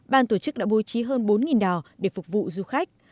ban tổ chức đã vô trí hơn bốn đào để phục vụ du khách